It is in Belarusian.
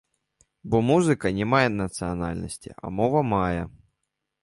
Бо музыка не мае нацыянальнасці, а мова мае.